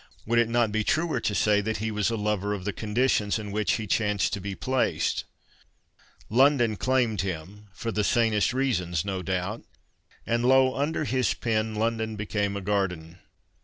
Would it not be truer to say that he was a lover of the conditions in which he chanced to be placed ? London claimed him — for the sanest reasons, no doubt — and lo ! under his pen London became a garden.